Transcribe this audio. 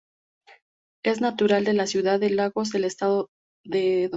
Es natural de la ciudad de Lagos en el estado de Edo.